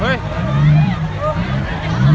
ว้ายยยยยยยยยยฮ่า